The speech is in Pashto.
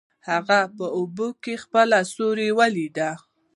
هغه په اوبو کې خپل سیوری ولید.